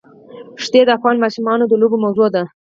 ښتې د افغان ماشومانو د لوبو موضوع ده.